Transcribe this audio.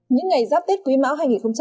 những ngày giáp tết quý mão hai nghìn hai mươi